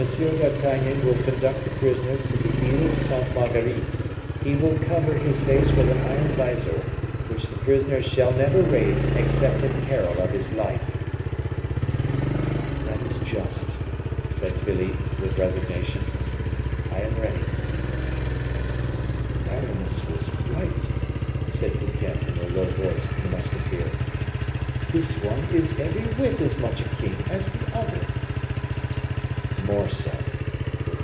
d'Artagnan will conduct the prisoner to the Ile Sainte Marguerite. He will cover his face with an iron vizor, which the prisoner shall never raise except at peril of his life." "That is just," said Philippe, with resignation; "I am ready." "Aramis was right," said Fouquet, in a low voice, to the musketeer, "this one is every whit as much a king as the other." "More so!"